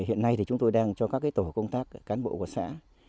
hiện nay thì chúng tôi đang cho các tổ công tác cán bộ của xã